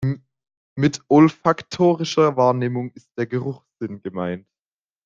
Mit olfaktorischer Wahrnehmung ist der Geruchssinn gemeint.